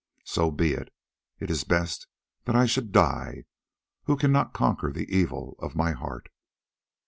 So be it. It is best that I should die, who cannot conquer the evil of my heart."